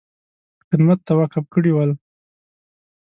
خدمت ته وقف کړي ول.